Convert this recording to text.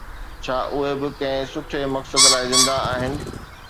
ڇا اهي به ڪنهن سٺي مقصد لاءِ زنده آهن؟